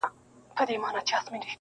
• د لېوه بچی کوم چا وو پیدا کړی -